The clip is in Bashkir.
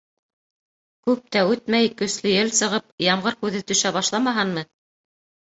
Күп тә үтмәй, көслө ел сығып, ямғыр күҙе төшә башламаһынмы!